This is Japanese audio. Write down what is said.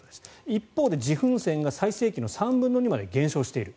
一方で自噴泉が最盛期の３分の２まで減少している。